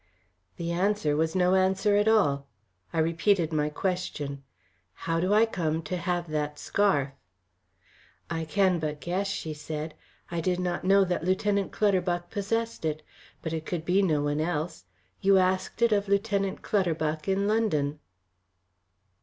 The answer was no answer at all. I repeated my question: "How do I come to have that scarf?" "I can but guess," she said; "I did not know that Lieutenant Clutterbuck possessed it. But it could be no one else. You asked it of Lieutenant Clutterbuck in London."